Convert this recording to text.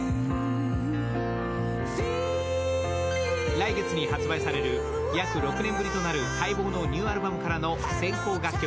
来月に発売される約６年ぶりとなる待望のニューアルバムからの先行楽曲。